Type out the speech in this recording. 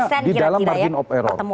iya artinya di dalam margin of error